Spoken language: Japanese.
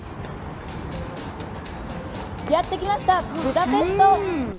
やってきました、ブダペスト。